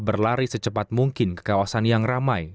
berlari secepat mungkin ke kawasan yang ramai